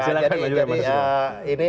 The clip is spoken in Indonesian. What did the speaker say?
silahkan pak menteri